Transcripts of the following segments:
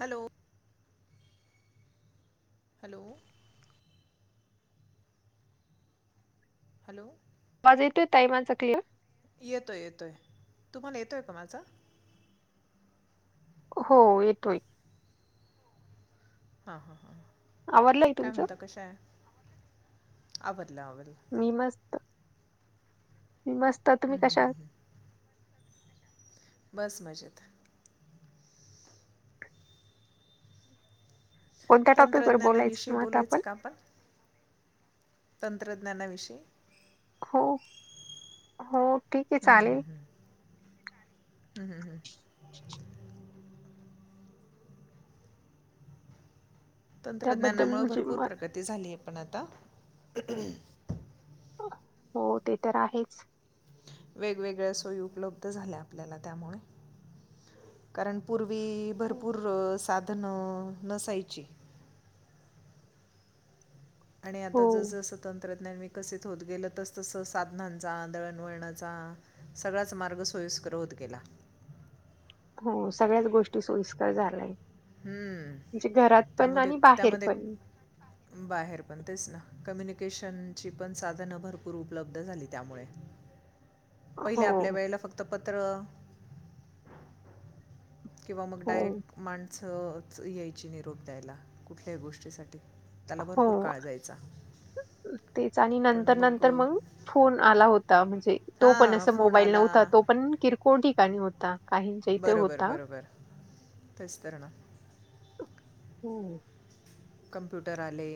Hello. [unintelligible] Hello. योतो ताैवान चकली. येतोय येतोय तुम्हाला येतोय का माझा. हो येतोय. हा ह ह आवरलंय काय तुमचं? म्हणत कशा आहे आव. मी मस्त. मस्त तुम्ही हं, हं. कशा आहात. बस मजेत. कोणत्या टॉपिक वर बोलायचं तंत्रज्ञानाविषयी त आता बोलायचं आपण. का तंत्रज्ञानाविषयी. हो हो ठीक आहे चालेल. हम् हम हम. [unintelligible] त्याबद्दल तंत्रज्ञानामुळे म्हणजे भरपूर म प्रगती झालीय पण आता. हो ते तर आहेच. वेगवेगळ्या सोयी उपलब्ध झाल्या आपल्याला त्यामुळे कार कारण पूर्वी. भरपूर साधन नसायची. आणि आता ज हो. ज स्वतंत्र. तंत्रज्ञान मी कसित होत गेल तरस तस साधनांचा दळणवळणाचा सगळाच मार्ग सोय. त क्रोध केला. हो सगळ्याच गोष्टी सोयीस्कर झाल्याय. हम्म त्यामध्ये बाहेर त्यामध्ये पण. बाहेर पण तेच ना. कम्युनिकेशनची पण साधनं भरपूर उपलब्ध झाली त्यामुळे. पहिले हो. आपल्या वेळेला फक्त पत्र. किंवा मग हो. डायरेक्ट माणसंच यायची निरोप द्यायला कुठल्याही गोष्टीसाठी. त्याला हो भरपूर काळ जायचा. तेच आणि नंतर नंतर मग फोन आला होता म्हणजे तो पण हां अस फोन मोबाईल आला नव्हता तो. आपण किरकोळ ठिकाणी होत. काही ज इ ते बरोबर होता. बरोबर तेच तर ना हम्म. कॉम्प्युटर आले.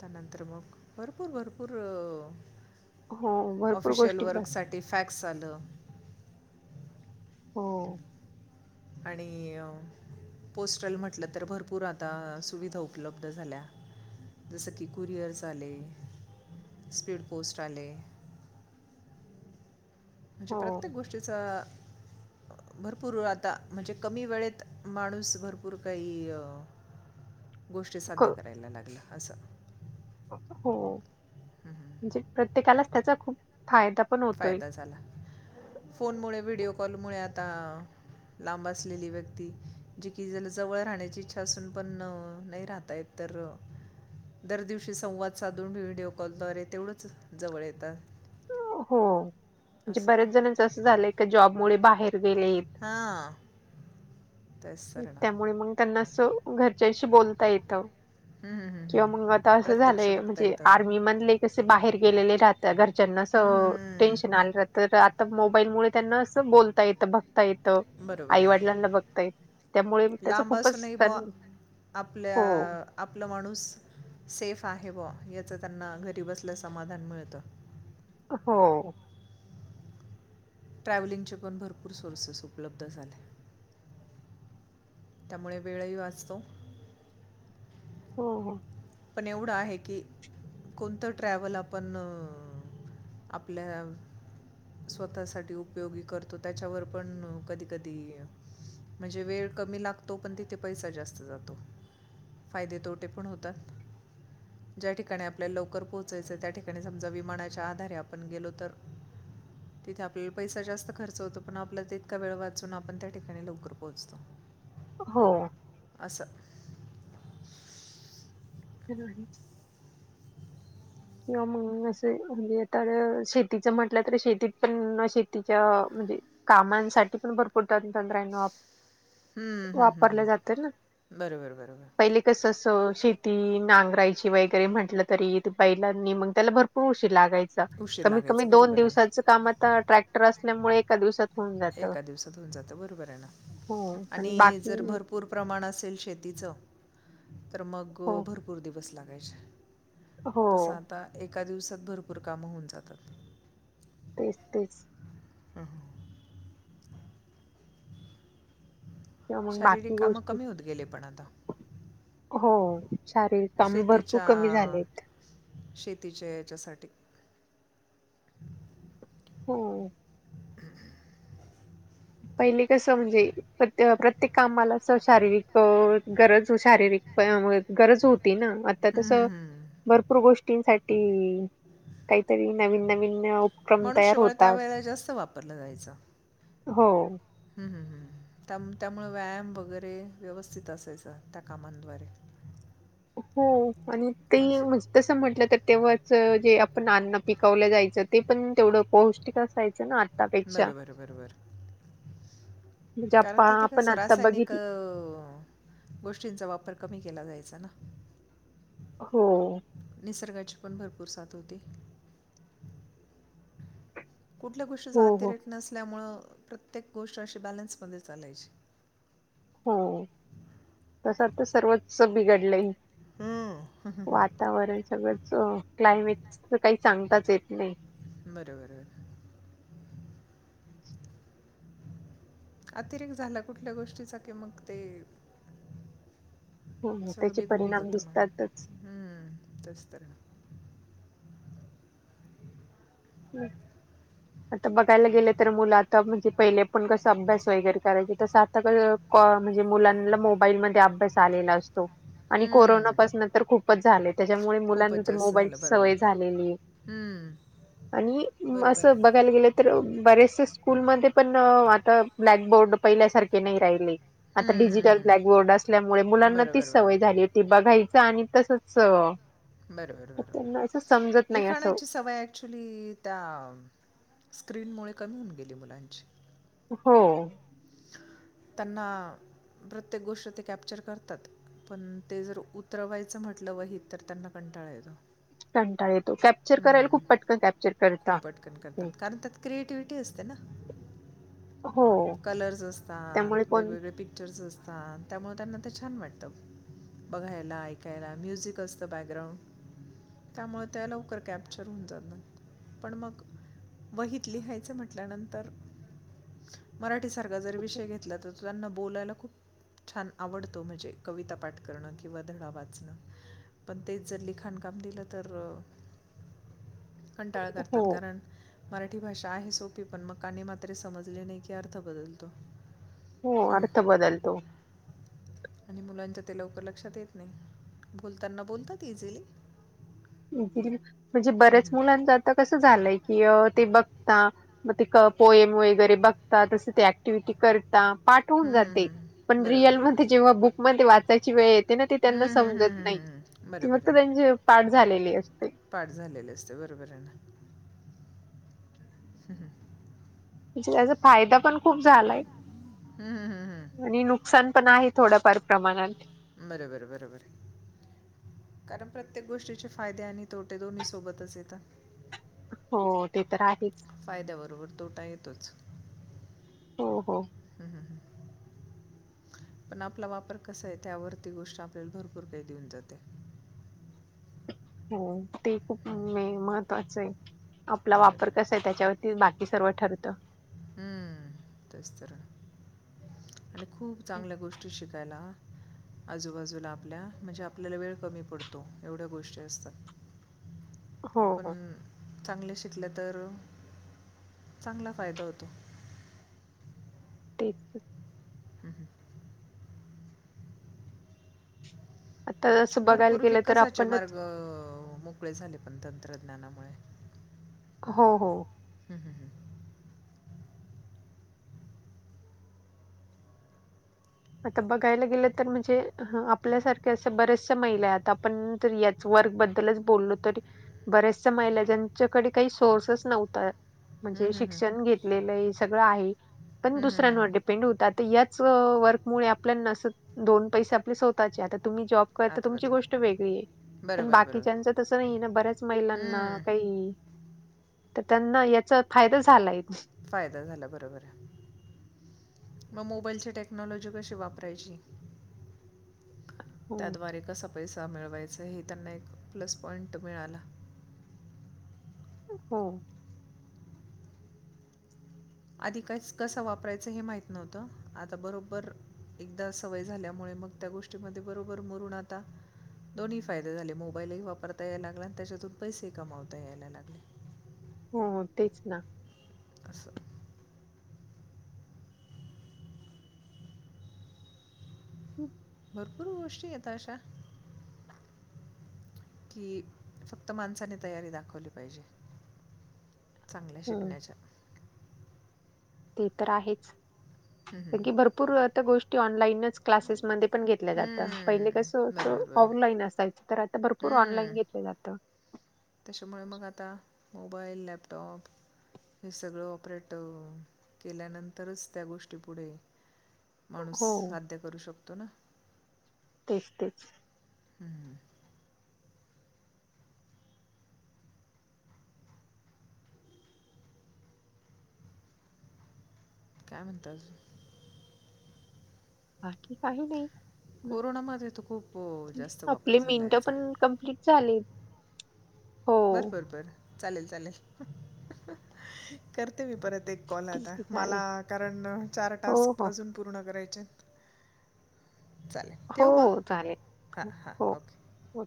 त्यानंतर मग भरपूर भरपूर. हो भरपूर ऑफिशियल गोष्टी बस वर्क साठी फॅक्स आलं. हो. आणि. पोस्टल म्हटलं तर भरपूर आता सुविधा उपलब्ध झाल्या. जसं की कुरिअर्स आले. स्पीड पोस्ट आले. म्हणजे प्रत्येक हो. गोष्टीचा. भरपूर आता म्हणजे कमी वेळेत माणूस भरपूर काही. गोष्टी साध्य क करायला लागल्या असं. हो हम्म. म्हणजे प्रत्येकालाच त्यांचा खूप. फायदा पण होतोय. फायदा झाला फोन मु व्हिडिओ कॉल मुळे आता. लांब असलेली व्यक्ती जी की जला जवळ राहण्याची इच्छा असून पण नाही राहता येत तर. र. दर दिवशी संवाद साधून व्हिडीिओ कॉलद्वारे तेवढंच जवळ येतात. हो म्हणजे असं बऱ्याच जणांच असं झालंय जॉबमुळे बाहेर. गेलेत हां तेच सर ना त्यामुळे त्यांना घरच्याशी. बोलता येतं. हम्म, हम्म, हम्म, किंवा मग आता हम्म. असं प्रत्यक्ष झालंय बघता म्हणजे येतं आर्मी मधले कसे बाहेर गेलेले राह. घरच्यांना हम्म, हम्म, टेन्शन हम्म. आलं तर आता मोबाईलमुळे त्यांना असं बोलता येतं बघ. ता येत बरोबर आहे ना आईवडिलांना बघता येत त्यामुळे त्याचं लांब खूपच असूनही बुवा आपल्या हो, आपला माणूस सेफ. आहे व याचं त्यांना घरी बसल्यास समाधान मिळतं. हो. ट्रॅव्हलिंगचे पण भरपूर सोर्सेस उपलब्ध झाले. त्यामुळे वेळही वाचतो. हो हो. पण एवढं आहे की कोणतं ट्रॅव्हल आपण. आपल्या. स्वतः सा उपयोगी करतो त्यांच्यावर पण कधी कधी. म्हणजे वेळ कमी लागतो पण तिथे पैसा जास्त जातो फायदे तोटे पण होतात. [unintelligible] ज्या ठिकाणी आपल्याला लवकर पोहोचायचं त्या ठिकाणी समजा विमानाच्या आधारे आपण गेलो तर. तिथे आपल्याला पैसा जास्त खर्च होतो पण आपला ततका वेळ वाचून आपण त्या ठिकाणी लवकर पोहोचतो. हो. असं. जरूर. किंवा मग असं म्हणजेता शेतीच म्हटलं तर शेतीत पण शेतीच्या. म्हणजे कामांसाठी पण भरपूर त तंत्रन आप हम्म, हम्म, हम्म, वापरल्या जाते ना हम्म. बरोबर बरोबर पहिले कस अस शेती. ती नांगरायची वगैरे म्हटलं तरी बैलांनी मग त्याला भरपूर. लागायचं उशीर कमीत कमी लागायचं दोन बरोबर आहे दिवसाचं कामाचं ट्रॅक्टर असल्यामुळे एखाद दुसरा एका दिवसात होऊन जातं बरोबर आहे ना? हो आणि जर बाकी भरपूर प्रमाण असेल शेतीचं, तर मग हो भरपूर दिवस लागायचे हो तस आता एक एका दिवसात भरपूर कामं होऊन जातात. तेस तेस, ह. किंवा मग शारीरिक बाकी कामं गोष्टी कमी होत गेले पण आता. हो शारीरिक काम भरपूर शेतीच्या कमी झालेत. शेतीच्या याच्यासाठी हो! पहिली कसं म्हणजे प्र प्रत्येक कामाला शारीरिक गरज शारीरिक गरज होती ना आता हम्म, कसं हम्म, हम्म. भरपूर गोष्ट काहीतरी नवीन नवीन. उपक्रम तयार मनुष्यबळ होतात त्यावेेळेला जास्त वापरलं जायचं. हो! हम, हम, हम! त्यामुळे व्यायाम वगैरे व्यवस्थित असायचा त्या कामाद्वारे. हो आणि ते तस म्हटलं तर तेव्हाच जे, पण अन्ना पिकवलं जायचं ते पण तेवढं पौष्टिक असायचं ना! आतापेक्षा बरोबर बरोबर! म्हणजे आप- कारण तिथे आपण कसं आता रासायनिक बघितलं अ गोष्टींचा वापर कमी केला जायचा ना! हो! निसर्गाची पण भरपूर साथ होते, कुठल्या गोष्टी हो हो जातेरेट नसल्यामुळ. प्रत्येक गोष्ट अशी बॅलन्समध्ये चालायची. हो तस तर सर्वचच बिघडलंय, हम्म. वातावरण सगळं स क्लायमेट तर काही सांगताच येत नाही. बरोबर! अतिरे्त झाला कुठल्या गोष्टीचा की मग ते, हो सगळं त्याचे बिघडून परिणाम जात मग दिसतातच. हम्म तेच तर, हम! आता बघायला गेलं तर मुलं आता म्हणजे, पहिले पण कसं अभ्यास वगैरे करायचे तसं आता कसं म्हणजे मुलांना मोबाईलमध्ये अभ्यास आलेला असतो. आणि हम्म, कोरोनापासन तर खूपच झाले त्याच्यामुळे मुलांना खूपच ते मोबाईलची सवय झालेली. हमंम. आणि असं बघायला गेलं तर, बरेचसे स्कूलमध्ये पण आता ब्लॅकबोर्ड पहिल्यासारखे नाही राहिले. आता हम्म, हम्म, डिजिटल हम्म. ब्लॅकबोर्ड असल्यामुळे मुलांना बरोबर तीच बरोबर सवय झाली होती बघायच आणि तसच. बरोबर त्यांना असं समजत बरोब नाही असं लिखाणाची सवय ऍक्च्युली त्या स्क्रीनमुळे कमी होऊन गेली मुलांची. हो! त्यांना प्रत्येक गोष्ट ते कॅप्चर करतात. पण ते जर उतरवायचं म्हटलं वहीत तर त्यांना कंटाळायेतो. कंटाळा येतो कॅप्चर करायला खूप पटकन कॅप्चर खूप करता. ते ना! हो! कलर्स त्यामुळे असतात कोण वेगवेगळे पिक्चर्स असतात त्यामुळे.. ताना तर छान वाटतं बघायला ऐकायला म्युझिक असतं बॅकग्राउंड. त्यामुळे त्या लवकर कॅप्चर होऊन जात नाही पण मग.. वहीत लिहायचं म्हटल्यानंतर.. मराठीसारखा जर विषय घेतला तर तो त्यांना बोलायला खूप.. छान आवडतो म्हणजे कविता पाठ करणं किंवा धडा वाचणं.. पण तेच जर लिखाण काम दिलं तर.. कंटाळा हो करतात कारण मराठी भाषा आहे सोपी पण मग कानी मात्र समजली नाही की.. अर्थ बदलत हो अर्थ बदल तो. आणि मुलांच्या ते लवकर लक्षात येत नाही बोलताना बोलतात इझिली.. म्हणजे बऱ्याच मुलांच आता कसं झालंय की... ते बघता मग ते पोएम वगैरे बघता तस ते ऍक्टिव्हटी कर.. पाठवून जाते पण बरोबर रिअल म बरोबर जेव्हा बुकमध्ये वाचायची वेळ य त्यां हम्म, हम्म, समजत हम्म, नाही हम्म, हम्म. त्यां बरोबर आहे [unintelligible] पाठ झालेले असते बरोबर आहे ना! रिकामा ऑडिओ म्हण त्याचा फायदा पण खूप झालाय. हम्म, हम्म, हम्म. आणि नुकसान पण आहे. थोड्या फार प्रमाणात.. बरोबर बरोबर. कारण प्रत्येक गोष्टीचे फायदे आणि तोटे दोन्ही सोबतच येतात. हो ते तर आहेच. आता येतोच. हो हो. हम्म हम् हम्. पण आपला वापर कसा आहे त्यावरती गोष्ट आपल्याला भरपूर काही देऊन जाते. रिकामा ऑडिओ हो ते खूप म महत्वाचं आहे आपला वापर बरं कसा आहे त्याच्यावरती बाकी.. कि सर्व ठरत. हम्म तेच तर आणि खूप चांगल्या गोष्टी शिकायला.. आजूबाजूला आपल्या म्हणजे आपल्याला वेळ कमी पडतो एवढ्या गोष्टी असतात. हो हो. चांगले शिकले तर चांगला फायदा होतो. ते. रिकामा ऑडिओ आता असं बघायला भरपूर गेलं तर विकासाचे आपणच मार्ग मोकळे झाले पण तंत्रज्ञानामुळे. हो हो. हं, हं. आता बघायला गेलं तर म्हणजे आपल्यासारख्या असं बऱ्याचश महिला आता आपण या... वर् बद्दल बोललो तरी बऱ्याचश महिलाजच्याकडे काही सोर्सेस नव्हत. म्हणजे हं, हं, हं. शिक्षण घेतलेलं सगळं आहे पण हं, हं, हं, दुसऱ्यांवर हं. डिपेंड होतात यात वर्क मु आपल्या दोन पैसे आपल्या स्वतःचे.. तुम्ही जॉब कर तर आता तुमची बघा गोष्ट वेगळी आहे. पण बरोबर बाकीच्यांच बरोबर तसं नाही ना बऱ्याच महिलांना हं, काही.. तर त्यांना याचा फायदा झालाय. फायदा झाला बरोबर आहे. मग मोबाईलची टेक्नॉलॉजी कशी वापरायची? हो त्याद्वारे क स.. पैसा मिळवायचा हे त्यांना एक प्लस पॉइंट मिळाला. हो. आधी काहीच कस वापरायचं हे माहित नव्हतं आता बरोबर एकदा सवय झाल्यामुळे... मग त्या गोष्टीमध्ये बरोबर मुरून आता दोन्ही ही फायदे झाले मोबाईल ही वापरता यायला लागले आणि त्याच्यातून पैसेही कमावता यायला लागले. हो तेच ना असं हम् भरपूर गोष्टी यतायशा की फक्त माणसाने तयारी दाखवली पाहिजे. चांगल्या हं, शिकण्याच्या ते तर आहेच हम्म, हम्म, कारण हम्म. की भरपूर आता गोष्टी ऑनलाईनच क्लासेसमध्ये पण घेतलं जात पहिल हम्म, कस असं बरोबर बरोबर ऑफलाईन असायच तर आता भरपूर ऑनलाईन हम्म. घेतलं जात. त्याच्यामुळे मग आता मोबाईल लॅपटॉप हे सगळं ऑपरेट अ केल्यानंतरच त्या गोष्टी पुढे माणूस हो साध्य करू शकतो ना. तेच तेच हम्म काय म्हणता अजून बाकी काही नाही. मग कोरोनामध्ये तर खूप जास्त वापर आपले झाला मिनटं याचा पण कम्प्लीट झाले हो बर बर बर चालेल चालेल कर करते मी परत एक कॉल ठीक आता आहे मला चालेल कारण चार हो टास्क हो अजून पूर्ण करायचेत. हो ठेवू मग चालेल हां हां हो ओके हो.